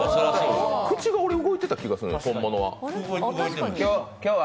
口が動いてた気がする、本物は。